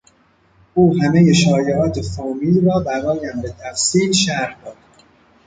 او همهی شایعات فامیل را برایم به تفصیل شرح داد.